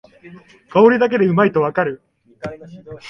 香りだけでうまいとわかる